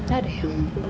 gak ada ya